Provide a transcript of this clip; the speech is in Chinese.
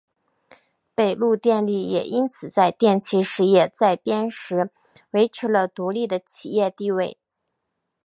北陆电力也因此在电气事业再编时维持了独立的企业地位。